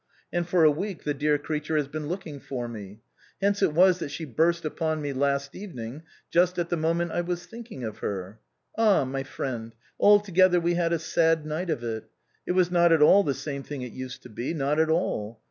And for a week the dear creature has been looking for me. Hence it was that she burst upon me last evening, just at the moment I was thinking of her. Ah ! my friend, altogether we had a sad night of it. It was not at all the same thing it used to be, not at all.